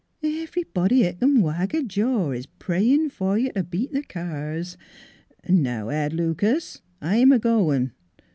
Ev'rybody 'at c'n wag a jaw is prayin' fer you t' beat th' cars. ... Now, Ed Lucas, I'm a goin'.